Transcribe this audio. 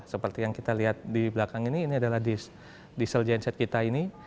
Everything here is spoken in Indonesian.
seperti yang kita lihat di belakang ini ini adalah diesel genset kita ini